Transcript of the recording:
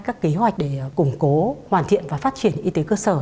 các kế hoạch để củng cố hoàn thiện và phát triển y tế cơ sở